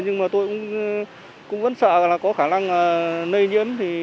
nhưng tôi vẫn sợ có khả năng nơi nhiễm